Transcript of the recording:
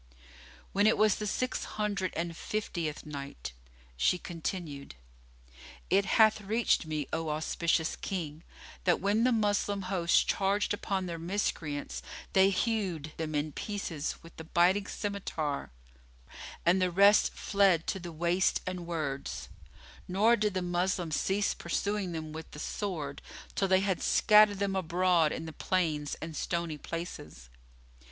When it was the Six Hundred and Fiftieth Night, She continued, It hath reached me, O auspicious King, that when the Moslem host charged upon the Miscreants they hewed them in pieces with the biting scymitar and the rest fled to the wastes and words; nor did the Moslems cease pursuing them with the sword, till they had scattered them abroad in the plains and stony places.